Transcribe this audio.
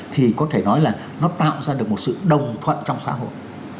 thì có thể nói là nó tạo ra được một sự đồng thuận trong xã hội